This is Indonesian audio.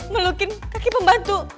melukin kaki pembantu